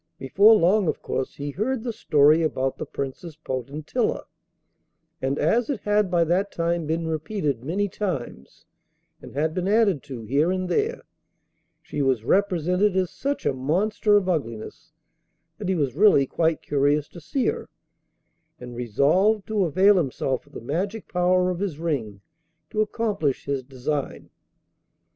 Before long, of course, he heard the story about the Princess Potentilla, and, as it had by that time been repeated many times, and had been added to here and there, she was represented as such a monster of ugliness that he was really quite curious to see her, and resolved to avail himself of the magic power of his ring to accomplish his design.